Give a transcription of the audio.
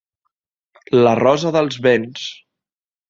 La Rosa dels Vents.